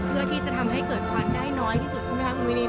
เพื่อที่จะทำให้เกิดควันได้น้อยที่สุดใช่ไหมคะคุณวินิต